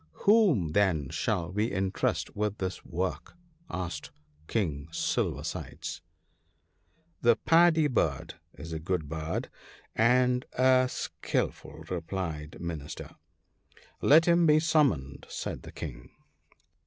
" Whom, then, shall we entrust with this work ?" asked King Silver sides. war. 99 " The Paddy bird ( 85 ) is a good bird, and a skilful," re plied his Minister. " Let him be summoned !" said the King.